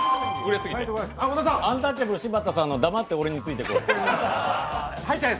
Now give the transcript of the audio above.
アンタッチャブル柴田さんの「だまって俺についてこい」。